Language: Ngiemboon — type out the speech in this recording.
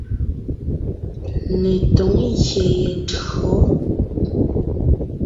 Letǒŋ ngyè ye tÿǒ.